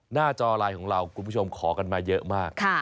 จอไลน์ของเราคุณผู้ชมขอกันมาเยอะมาก